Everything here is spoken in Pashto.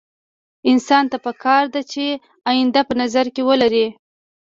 انسان ته پکار ده چې اينده په نظر کې ولري.